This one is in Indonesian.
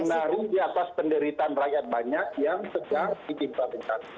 menaruh di atas penderitaan rakyat banyak yang sedang ditimpa timpa